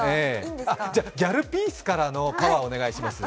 ギャルピースからのパワーお願いします。